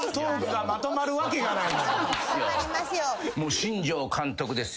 新庄監督ですよ。